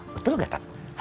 betul gak kak